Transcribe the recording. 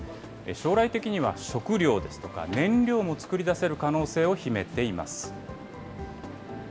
将来的には、食料ですとか燃料も作り出せる可能性を秘めています。